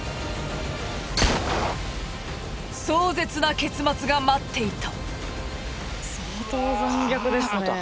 壮絶な結末が待っていた。